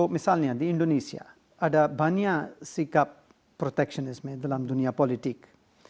misalnya di indonesia ada banyak sikap proteksionisme dalam dunia politik